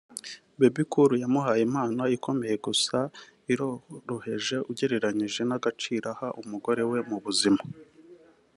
Bebe Cool yamuhaye impano ikomeye gusa ngo iroroheje ugereranyije n’agaciro aha umugore we mu buzima